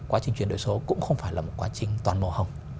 quá trình chuyển đổi số cũng không phải là một quá trình toàn màu hồng